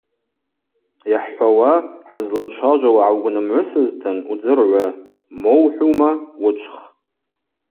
Йхӏхӏвауа, хӏызлачважвауа гӏаугвнымгӏвысызтын – удзыргӏвы, мо ухӏвума – уычвх.